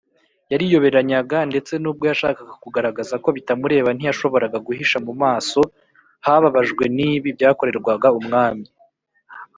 yariyoberanyaga, ndetse n’ubwo yashakaga kugaragaza ko bitamureba ntiyashoboraga guhisha mu maso hababajwe n’ibibi byakorerwaga umwami